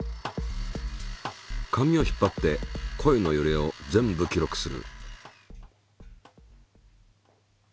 紙を引っ張って声のゆれを全部記録する。